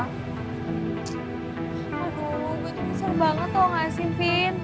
aduh gue tuh besar banget tau nggak sih vin